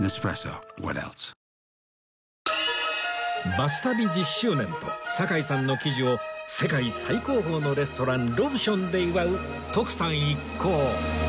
『バス旅』１０周年と堺さんの喜寿を世界最高峰のレストランロブションで祝う徳さん一行